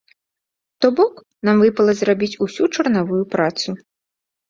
То бок, нам выпала зрабіць усю чарнавую працу.